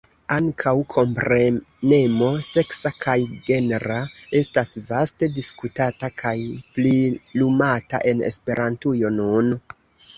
Ankaŭ komprenemo seksa kaj genra estas vaste diskutata kaj prilumata en Esperantujo nun.